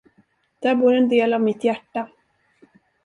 Där bor en del av mitt hjärta.